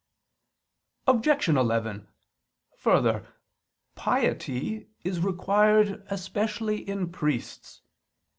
Objection 11: Further, piety is required especially in priests.